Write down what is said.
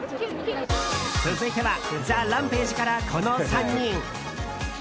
続いてはＴＨＥＲＡＭＰＡＧＥからこの３人。